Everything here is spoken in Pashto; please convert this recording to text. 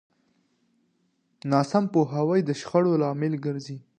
ناسم پوهاوی د شخړو لامل ګرځي.